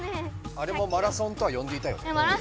あれもマラソンとはよんでいたよね。